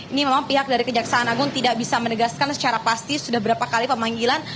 ini memang pihak dari kejaksaan agung tidak bisa menegaskan secara pasti sudah berapa kali pemanggilan